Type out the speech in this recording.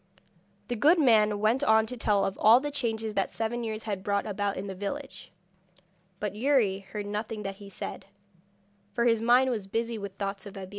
The good man went on to tell of all the changes that seven years had brought about in the village, but Youri heard nothing that he said, for his mind was busy with thoughts of Abeille.